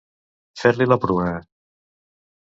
Fer-li la pruna.